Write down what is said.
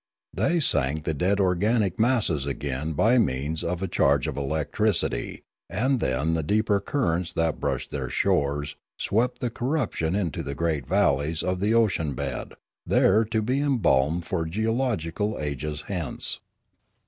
They sank the dead organic masses again by means of a charge of electricity, and then the deeper currents that brushed their shores swept the corruption into the great valleys of the ocean bed, there to be embalmed for geological ages hence.